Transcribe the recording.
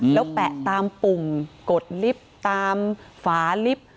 แล้วแปะตามปุ่มกดลิฟต์ตามฝาลิฟต์